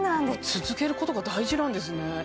続けることが大事なんですね